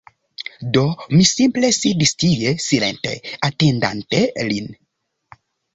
Do, mi simple sidis tie, silente, atendante lin.